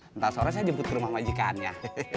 nanti sore saya jemput ke rumah majikan ya